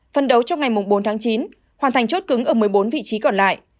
phân đấu trong ngày bốn tháng chín hoàn thành chốt cứng ở một mươi bốn vị trí còn lại